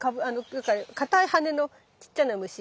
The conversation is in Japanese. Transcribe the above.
かたい羽のちっちゃな虫。